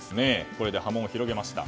これで波紋を広げました。